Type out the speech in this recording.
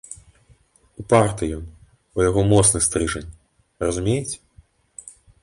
Упарты ён, у яго моцны стрыжань, разумееце.